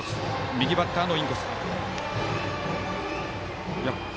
右バッターのインコースです。